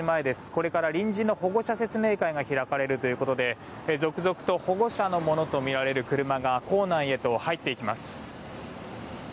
これから臨時の保護者説明会が開かれるということで続々と保護者のものとみられる車が校内へと入っていきます。